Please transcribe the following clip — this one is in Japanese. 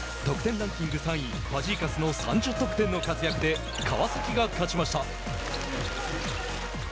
得点ランキング３位ファジーカスの３０得点の活躍で川崎が勝ちました。